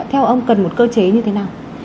theo ông cần một cơ chế như thế nào